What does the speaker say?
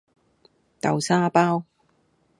豆沙包